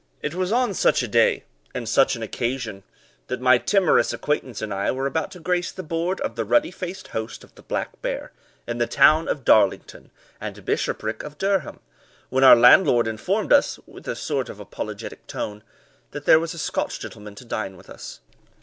It was on such a day, and such an occasion, that my timorous acquaintance and I were about to grace the board of the ruddy faced host of the Black Bear, in the town of Darlington, and bishopric of Durham, when our landlord informed us, with a sort of apologetic tone, that there was a Scotch gentleman to dine with us.